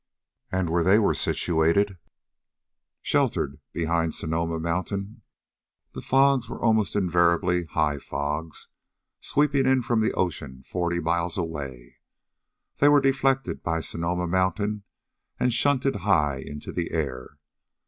And where they were situated, sheltered behind Sonoma Mountain, the fogs were almost invariably high fogs. Sweeping in from the ocean forty miles away, they were deflected by Sonoma Mountain and shunted high into the air.